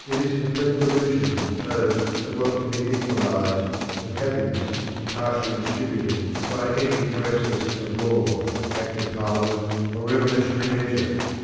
It is a complete delusion to suppose that wealth can be equalised and happiness impartially distributed by any process of law, Act of Parliament, or revolutionary measure.